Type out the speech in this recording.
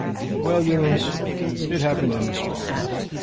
"Well, Gibbons, it happened in this way.